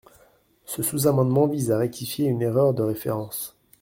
Ce sous-amendement vise à rectifier une erreur de référence.